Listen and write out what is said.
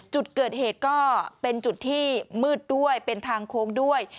จุดเกิดเหตุก็เป็นจุดที่มืดด้วยเป็นทางโค้งด้วย